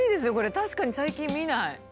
確かに最近見ない。